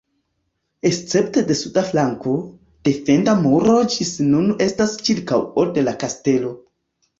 Escepte de suda flanko, defenda muro ĝis nun estas ĉirkaŭo de la kastelo.